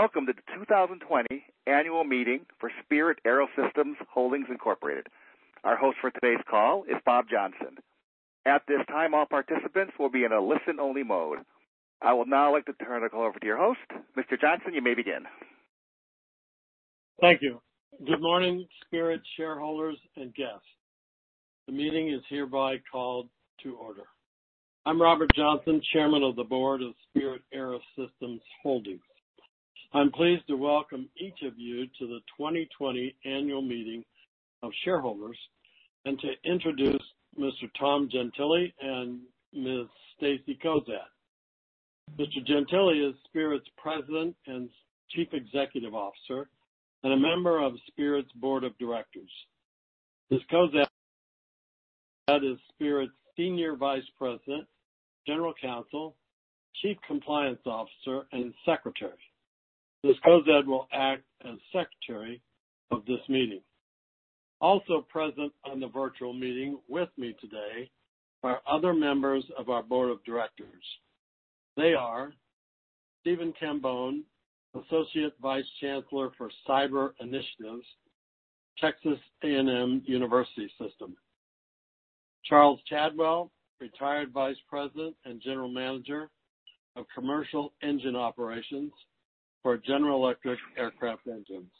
Welcome to the 2020 annual meeting for Spirit AeroSystems Holdings, Incorporated. Our host for today's call is Bob Johnson. At this time, all participants will be in a listen-only mode. I will now like to turn the call over to your host. Mr. Johnson, you may begin. Thank you. Good morning, Spirit shareholders and guests. The meeting is hereby called to order. I'm Robert Johnson, Chairman of the Board of Spirit AeroSystems Holdings. I'm pleased to welcome each of you to the 2020 annual meeting of shareholders, and to introduce Mr. Tom Gentile and Ms. Stacy Cozad. Mr. Gentile is Spirit's President and Chief Executive Officer, and a member of Spirit's Board of Directors. Ms. Cozad is Spirit's Senior Vice President, General Counsel, Chief Compliance Officer, and Secretary. Ms. Cozad will act as Secretary of this meeting. Also present on the virtual meeting with me today are other members of our board of directors. They are Stephen Cambone, Associate Vice Chancellor for Cyber Initiatives, Texas A&M University System. Charles Chadwell, Retired Vice President and General Manager of Commercial Engine Operations for General Electric Aircraft Engines.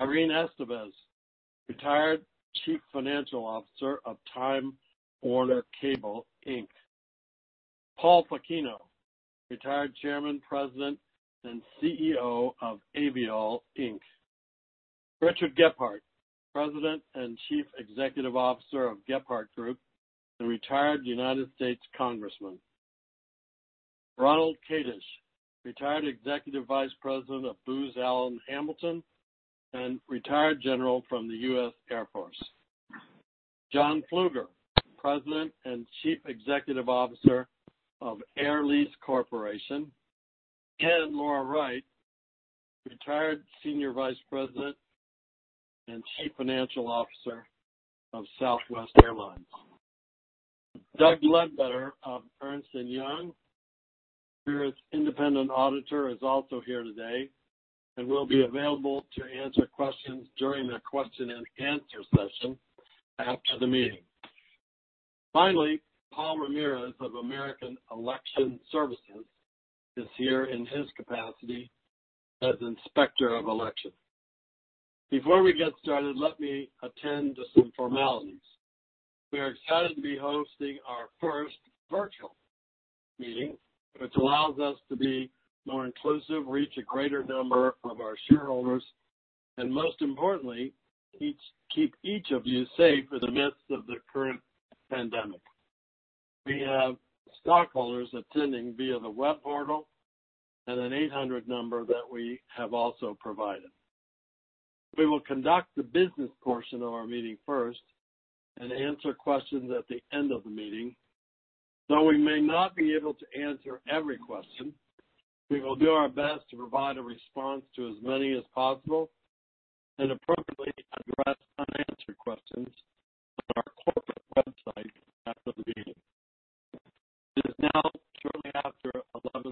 Irene Esteves, Retired Chief Financial Officer of Time Warner Cable, Inc. Paul Fulchino, Retired Chairman, President, and CEO of Aviall, Inc. Richard Gephardt, President and Chief Executive Officer of Gephardt Group, and retired United States Congressman. Ronald Kadish, Retired Executive Vice President of Booz Allen Hamilton and retired general from the United States Air Force. John Plueger, President and Chief Executive Officer of Air Lease Corporation. Laura Wright, Retired Senior Vice President and Chief Financial Officer of Southwest Airlines. Doug Ledbetter of Ernst & Young, Spirit's independent auditor, is also here today and will be available to answer questions during the question and answer session after the meeting. Finally, Paul Ramirez of American Election Services is here in his capacity as Inspector of Election. Before we get started, let me attend to some formalities. We are excited to be hosting our first virtual meeting, which allows us to be more inclusive, reach a greater number of our shareholders, and most importantly, keep each of you safe in the midst of the current pandemic. We have stockholders attending via the web portal and an 800 number that we have also provided. We will conduct the business portion of our meeting first and answer questions at the end of the meeting. Though we may not be able to answer every question, we will do our best to provide a response to as many as possible and appropriately address unanswered questions on our corporate website after the meeting. It is now shortly after 11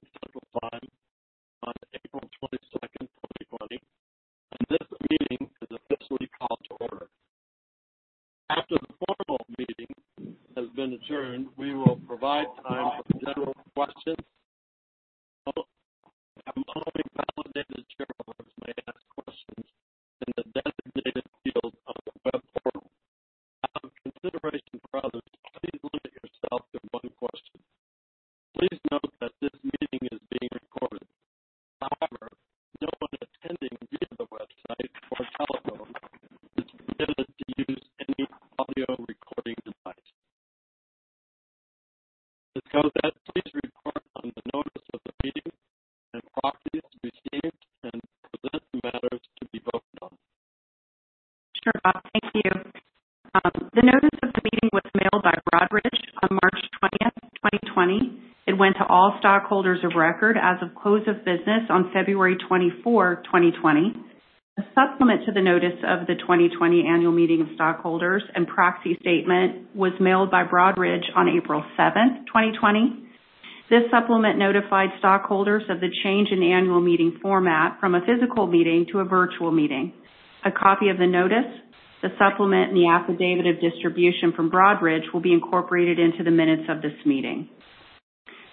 the supplement, and the affidavit of distribution from Broadridge will be incorporated into the minutes of this meeting.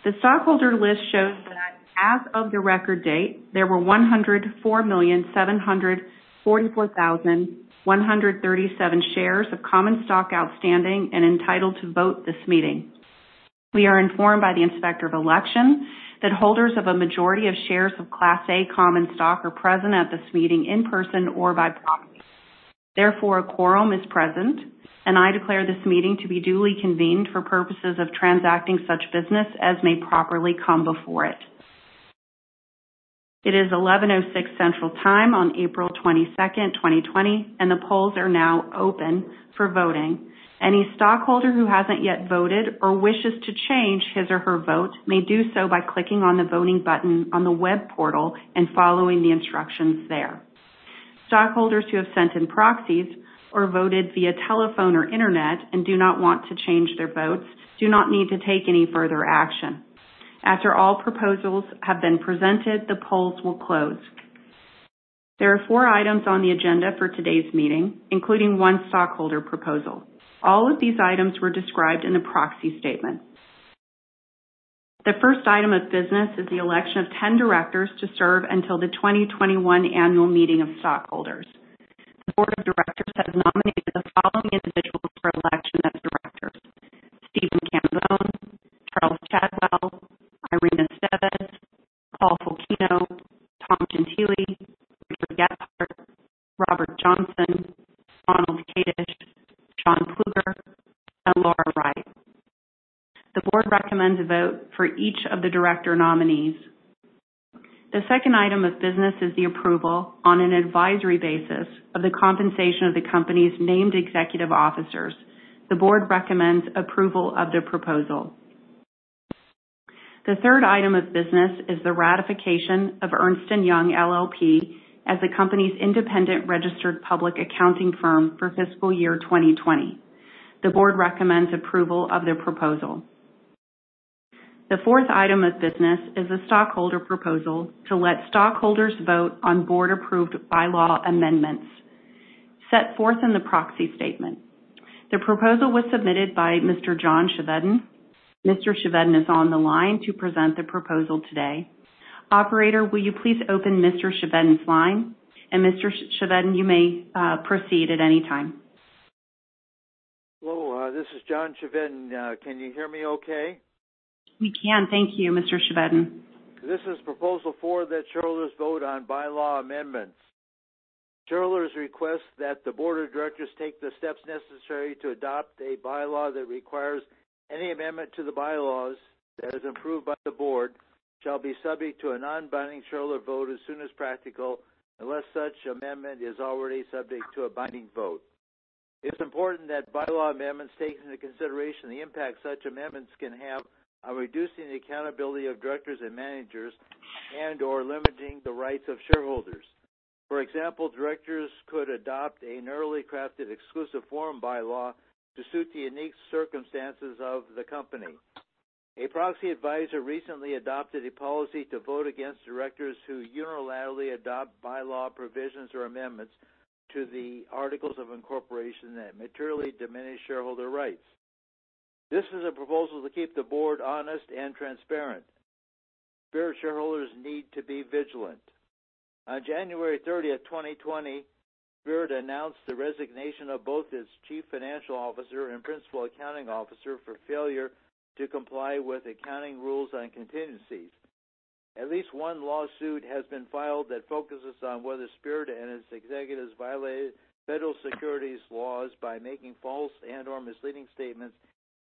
The stockholder list shows that as of the record date, there were 104,744,137 shares of common stock outstanding and entitled to vote at this meeting. We are informed by the Inspector of Election that holders of a majority of shares of Class A common stock are present at this meeting in person or by proxy. Therefore, a quorum is present, and I declare this meeting to be duly convened for purposes of transacting such business as may properly come before it. It is 11:06 Central time on April 22, 2020, and the polls are now open for voting. Any stockholder who hasn't yet voted or wishes to change his or her vote may do so by clicking on the voting button on the web portal and following the instructions there.... Stockholders who have sent in proxies or voted via telephone or internet and do not want to change their votes, do not need to take any further action. After all proposals have been presented, the polls will close. There are four items on the agenda for today's meeting, including one stockholder proposal. All of these items were described in the proxy statement. The first item of business is the election of 10 directors to serve until the 2021 annual meeting of stockholders. The board of directors has nominated the following individuals for election as directors: Stephen Cambone, Charles Chadwell, Irene Esteves, Paul Fulchino, Tom Gentile, Richard Gephardt, Robert Johnson, Ronald Kadish, John Plueger, and Laura Wright. The board recommends a vote for each of the director nominees. The second item of business is the approval on an advisory basis of the compensation of the company's named executive officers. The board recommends approval of the proposal. The third item of business is the ratification of Ernst & Young LLP as the company's independent registered public accounting firm for fiscal year 2020. The board recommends approval of their proposal. The fourth item of business is a stockholder proposal to let stockholders vote on board-approved bylaw amendments set forth in the proxy statement. The proposal was submitted by Mr. John Chevedden. Mr. Chevedden is on the line to present the proposal today. Operator, will you please open Mr. Chevedden's line? And, Mr. Chevedden, you may, proceed at any time. Hello, this is John Chevedden. Can you hear me okay? We can. Thank you, Mr. Chevedden. This is Proposal Four that shareholders vote on bylaw amendments. Shareholders request that the board of directors take the steps necessary to adopt a bylaw that requires any amendment to the bylaws that is approved by the board, shall be subject to a non-binding shareholder vote as soon as practical, unless such amendment is already subject to a binding vote. It's important that bylaw amendments take into consideration the impact such amendments can have on reducing the accountability of directors and managers and/or limiting the rights of shareholders. For example, directors could adopt a narrowly crafted exclusive forum bylaw to suit the unique circumstances of the company. A proxy advisor recently adopted a policy to vote against directors who unilaterally adopt bylaw provisions or amendments to the articles of incorporation that materially diminish shareholder rights. This is a proposal to keep the board honest and transparent. Spirit shareholders need to be vigilant. On January 30, 2020, Spirit announced the resignation of both its chief financial officer and principal accounting officer for failure to comply with accounting rules on contingencies. At least one lawsuit has been filed that focuses on whether Spirit and its executives violated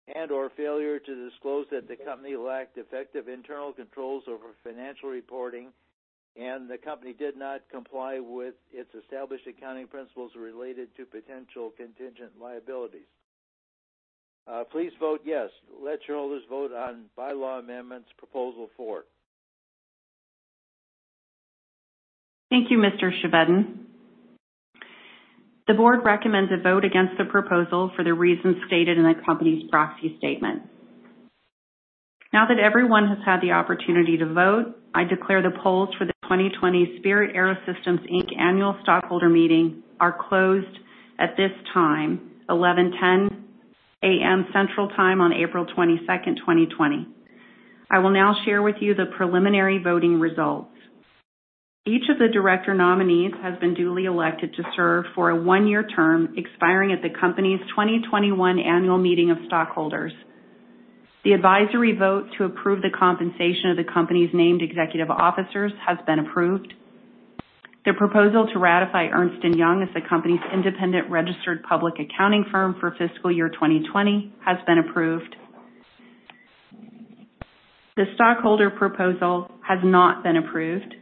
federal securities laws by making false and/or misleading statements and/or failure to disclose that the company lacked effective internal controls over financial reporting, and the company did not comply with its established accounting principles related to potential contingent liabilities. Please vote yes. Let shareholders vote on bylaw amendments Proposal Four. Thank you, Mr. Chevedden. The board recommends a vote against the proposal for the reasons stated in the company's proxy statement. Now that everyone has had the opportunity to vote, I declare the polls for the 2020 Spirit AeroSystems Inc. annual stockholder meeting are closed at this time, 11:10 A.M. Central Time on April 22nd, 2020. I will now share with you the preliminary voting results. Each of the director nominees has been duly elected to serve for a one-year term, expiring at the company's 2021 annual meeting of stockholders. The advisory vote to approve the compensation of the company's named executive officers has been approved. The proposal to ratify Ernst & Young as the company's independent registered public accounting firm for fiscal year 2020 has been approved. The stockholder proposal has not been approved.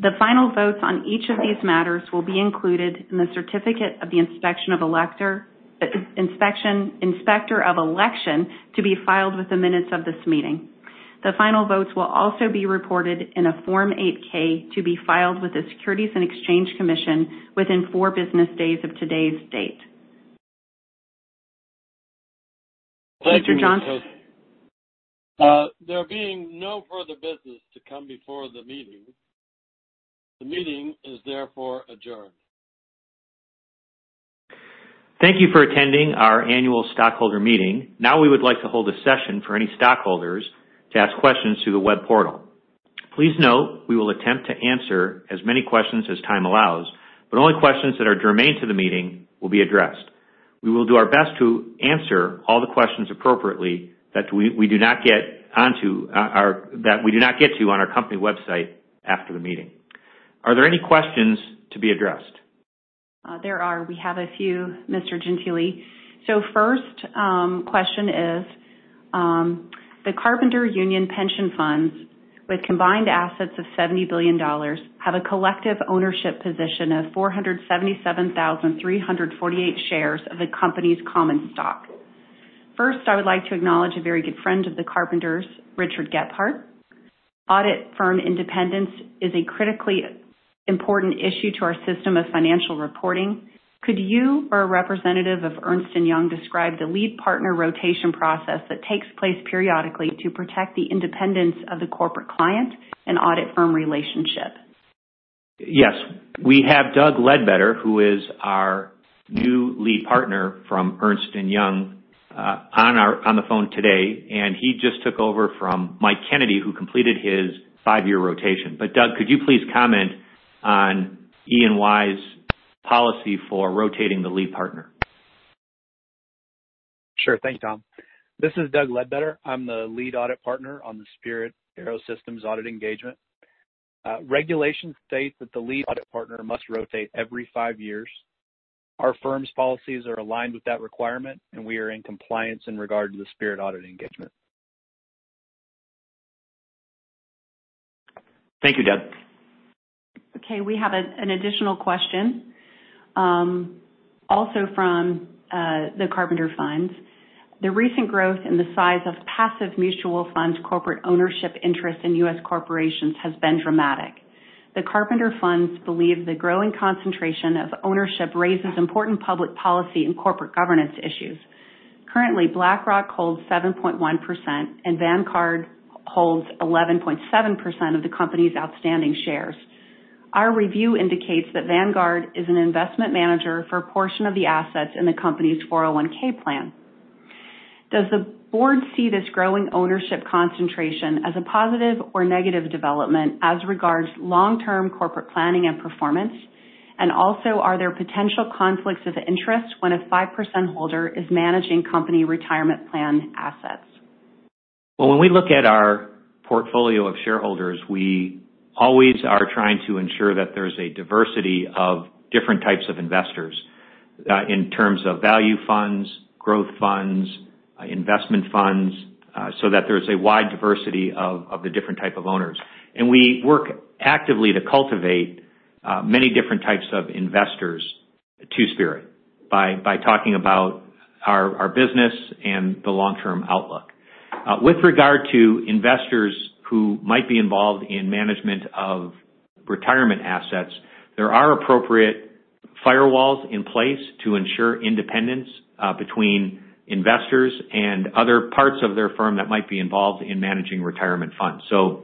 The final votes on each of these matters will be included in the certificate of the inspector of election to be filed with the minutes of this meeting. The final votes will also be reported in a Form 8-K to be filed with the Securities and Exchange Commission within 4 business days of today's date. Mr. Johnson? There being no further business to come before the meeting, the meeting is therefore adjourned. Thank you for attending our annual stockholder meeting. Now, we would like to hold a session for any stockholders to ask questions through the web portal. Please note, we will attempt to answer as many questions as time allows, but only questions that are germane to the meeting will be addressed. We will do our best to answer all the questions appropriately, that we do not get onto, or that we do not get to on our company website after the meeting. Are there any questions to be addressed? There are a few, Mr. Gentile. First question is, the Carpenter Union Pension Funds, with combined assets of $70 billion, have a collective ownership position of 477,348 shares of the company's common stock. First, I would like to acknowledge a very good friend of the Carpenters, Richard Gephardt. Audit firm independence is a critically important issue to our system of financial reporting. Could you or a representative of Ernst & Young describe the lead partner rotation process that takes place periodically to protect the independence of the corporate client and audit firm relationship? Yes, we have Doug Ledbetter, who is our new lead partner from Ernst & Young on the phone today, and he just took over from Mike Kennedy, who completed his five-year rotation. But Doug, could you please comment on EY's policy for rotating the lead partner? Sure. Thanks, Tom. This is Doug Ledbetter. I'm the lead audit partner on the Spirit AeroSystems audit engagement. Regulations state that the lead audit partner must rotate every five years. Our firm's policies are aligned with that requirement, and we are in compliance in regard to the Spirit audit engagement. Thank you, Doug. Okay, we have an additional question, also from the Carpenter Funds. The recent growth in the size of passive mutual funds, corporate ownership interest in US corporations has been dramatic. The Carpenter Funds believe the growing concentration of ownership raises important public policy and corporate governance issues. Currently, BlackRock holds 7.1%, and Vanguard holds 11.7% of the company's outstanding shares. Our review indicates that Vanguard is an investment manager for a portion of the assets in the company's 401(k) plan. Does the board see this growing ownership concentration as a positive or negative development as regards long-term corporate planning and performance? And also, are there potential conflicts of interest when a five percent holder is managing company retirement plan assets? Well, when we look at our portfolio of shareholders, we always are trying to ensure that there's a diversity of different types of investors in terms of value funds, growth funds, investment funds, so that there's a wide diversity of the different type of owners. And we work actively to cultivate many different types of investors to Spirit by talking about our business and the long-term outlook. With regard to investors who might be involved in management of retirement assets, there are appropriate firewalls in place to ensure independence between investors and other parts of their firm that might be involved in managing retirement funds. So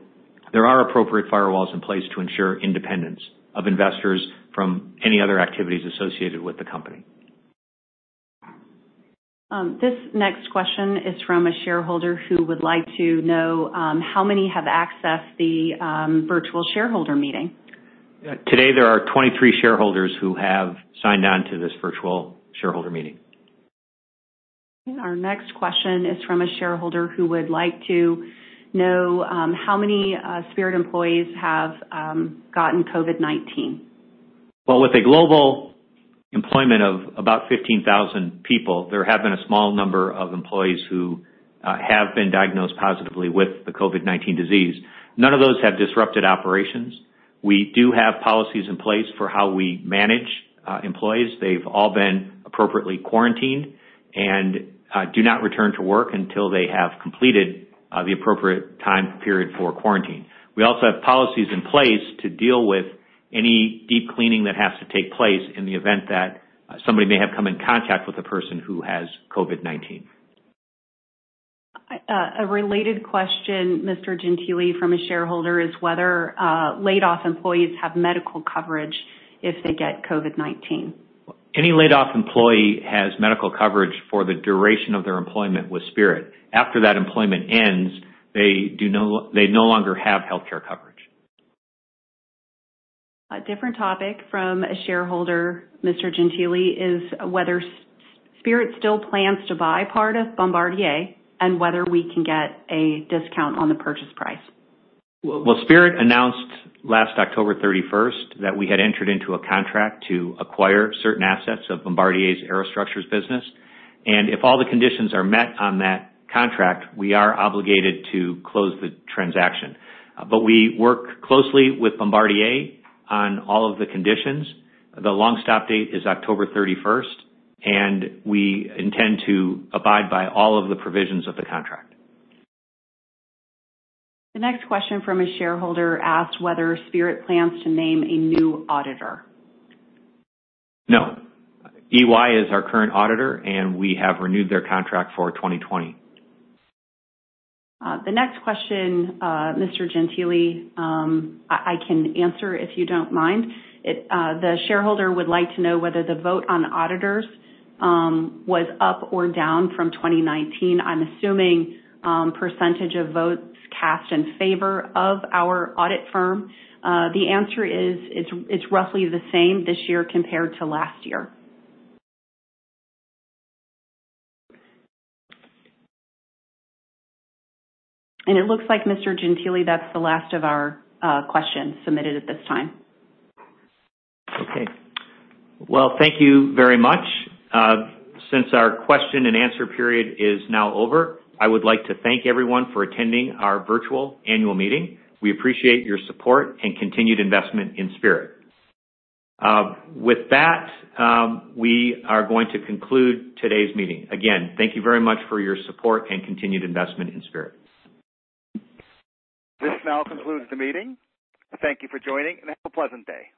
there are appropriate firewalls in place to ensure independence of investors from any other activities associated with the company. This next question is from a shareholder who would like to know how many have accessed the virtual shareholder meeting? Today, there are 23 shareholders who have signed on to this virtual shareholder meeting. Our next question is from a shareholder who would like to know how many Spirit employees have gotten COVID-19? Well, with a global employment of about 15,000 people, there have been a small number of employees who have been diagnosed positively with the COVID-19 disease. None of those have disrupted operations. We do have policies in place for how we manage employees. They've all been appropriately quarantined and do not return to work until they have completed the appropriate time period for quarantine. We also have policies in place to deal with any deep cleaning that has to take place in the event that somebody may have come in contact with a person who has COVID-19. A related question, Mr. Gentile, from a shareholder, is whether laid-off employees have medical coverage if they get COVID-19? Any laid-off employee has medical coverage for the duration of their employment with Spirit. After that employment ends, they no longer have healthcare coverage. A different topic from a shareholder, Mr. Gentile, is whether Spirit still plans to buy part of Bombardier and whether we can get a discount on the purchase price. Well, Spirit announced last October 31 that we had entered into a contract to acquire certain assets of Bombardier's aero structures business, and if all the conditions are met on that contract, we are obligated to close the transaction. But we work closely with Bombardier on all of the conditions. The long stop date is October 31, and we intend to abide by all of the provisions of the contract. The next question from a shareholder asked whether Spirit plans to name a new auditor. No. EY is our current auditor, and we have renewed their contract for 2020. The next question, Mr. Gentile, I can answer, if you don't mind. The shareholder would like to know whether the vote on auditors was up or down from 2019. I'm assuming percentage of votes cast in favor of our audit firm. The answer is, it's roughly the same this year compared to last year. And it looks like, Mr. Gentile, that's the last of our questions submitted at this time. Okay. Well, thank you very much. Since our question and answer period is now over, I would like to thank everyone for attending our virtual annual meeting. We appreciate your support and continued investment in Spirit. With that, we are going to conclude today's meeting. Again, thank you very much for your support and continued investment in Spirit. This now concludes the meeting. Thank you for joining, and have a pleasant day.